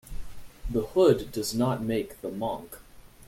The hood does not make the monk.